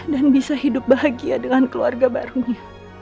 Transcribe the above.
dan bisa hidup bahagia dengan keluarga barunya